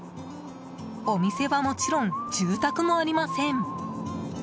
お店はもちろん住宅もありません。